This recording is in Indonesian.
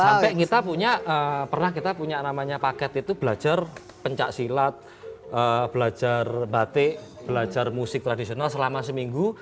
sampai kita punya pernah kita punya namanya paket itu belajar pencak silat belajar batik belajar musik tradisional selama seminggu